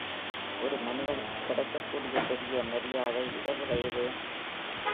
ஒரு மனிதனுக்கு கிடைக்கக் கூடிய பெரிய மரியாதை இதை விட எது?